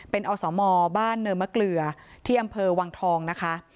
เป็นอสมบ้านเนินมะเกลือที่อำเภอวังทองนะคะ